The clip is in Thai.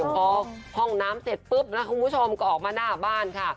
พอห้องน้ำเสร็จปุ๊บนะคุณผู้ชมก็ออกมาหน้าบ้านค่ะ